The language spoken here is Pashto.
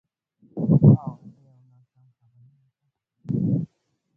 اوازې او ناسم خبرونه په حقیقي بڼه.